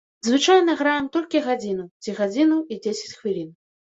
Звычайна граем толькі гадзіну, ці гадзіну і дзесяць хвілін.